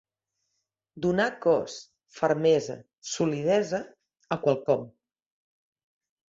Donar cos, fermesa, solidesa, a quelcom.